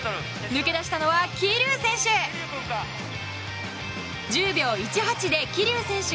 抜け出したのは桐生選手！